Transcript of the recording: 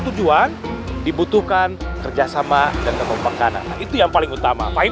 tujuan dibutuhkan kerjasama dengan keempatkan itu yang paling utama fahim